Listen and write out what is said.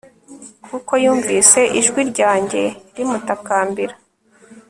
kuko yumvise ijwi ryanjye rimutakambira